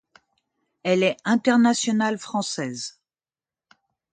Elle est internationale française.